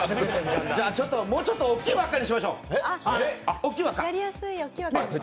もうちょっと大きい輪っかにしましょう。